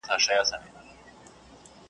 په نغمو په ترانو به یې زړه سوړ وو .